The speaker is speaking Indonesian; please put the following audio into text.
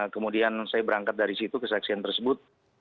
kemudian saya berangkat dari situ ke saksian tersebut